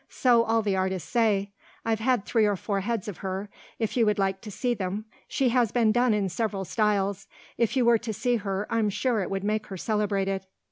"So all the artists say. I've had three or four heads of her, if you would like to see them: she has been done in several styles. If you were to do her I'm sure it would make her celebrated."